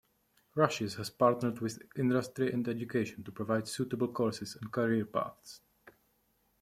Rushes has partnered with Industry and Education to provide suitable courses and career paths.